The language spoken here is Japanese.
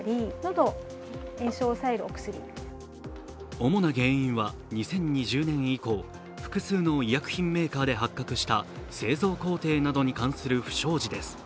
主な原因は、２０２０年以降、複数の医薬品メーカーで発覚した製造工程などに関する不祥事です。